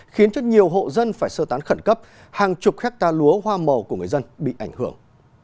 khiến cho nhiều hộ dân phải sơ tán khẩn cấp hàng chục hectare lúa hoa màu của người dân bị ảnh hưởng